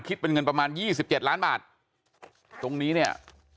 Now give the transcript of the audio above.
คิดเป็นเงินประมาณยี่สิบเจ็ดล้านบาทตรงนี้เนี่ย